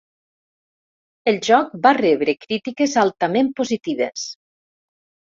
El joc va rebre critiques altament positives.